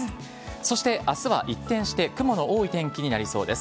そしてあすは一転して雲の多い天気になりそうです。